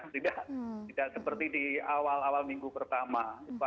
tidak seperti di awal awal minggu pertama